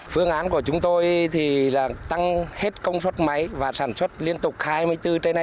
phương án của chúng tôi thì là tăng hết công suất máy và sản xuất liên tục hai mươi bốn trên hai mươi